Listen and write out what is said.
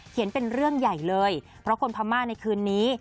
เป็นเรื่องใหญ่เลยเพราะคนพม่าในคืนนี้